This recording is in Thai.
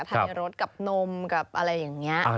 ทำในรสกับนมกับอะไรอย่างนี้